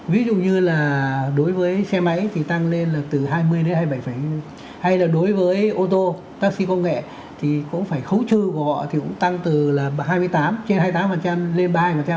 ví dụ như là đối với xe máy thì tăng lên là từ hai mươi đến hai mươi bảy hay là đối với ô tô taxi công nghệ thì cũng phải khấu trừ của họ thì cũng tăng từ là hai mươi tám trên hai mươi tám lên ba